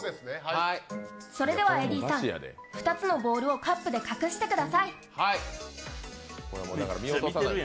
それではＡＤさん、２つのボールをカップで隠してください。